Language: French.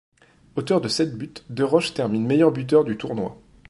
Auteur de sept buts, de Rauch termine meilleur buteur du tournoi.